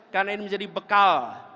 karena ini menjadi bekal